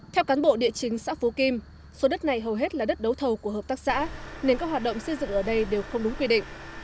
theo cán bộ địa chính xã phú kim số đất này hầu hết là đất đấu thầu của hợp tác xã nên các hoạt động xây dựng ở đây đều không đúng quy định